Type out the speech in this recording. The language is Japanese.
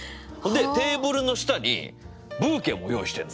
テーブルの下にブーケも用意してんの。